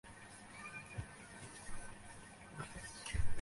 তিনি নাহভ ও ফিকহ'র 'মতন' মুখস্থ করতে মশগুল হন ।